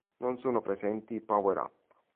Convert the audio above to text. Non sono presenti power-up.